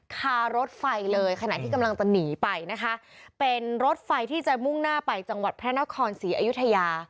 คารถไฟเลยขณะที่กำลังจะหนีไปนะคะเป็นรถไฟที่จะมุ่งหน้าไปจังหวัดพระนครศรีอยุธยา